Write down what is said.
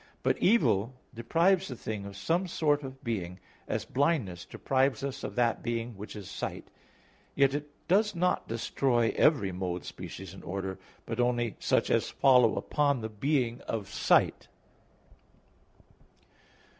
But evil deprives a thing of some sort of being, as blindness deprives us of that being which is sight; yet it does not destroy every mode, species and order, but only such as follow upon the being of sight.